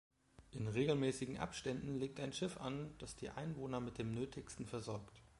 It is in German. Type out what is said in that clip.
In regelmäßigen Abständen legt ein Schiff an, das die Einwohner mit dem Nötigsten versorgt.